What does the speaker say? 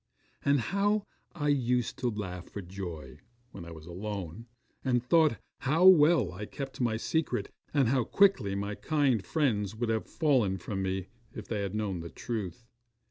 And how I used to laugh for joy, when I was alone, and thought how well I kept my secret, and how quickly my kind friends would have fallen from me, if they had known the truth.